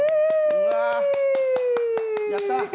うわやった！